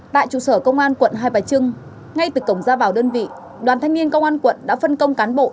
tại trụ sở công an quận hai bà trưng ngay từ cổng ra vào đơn vị đoàn thanh niên công an quận đã phân công cán bộ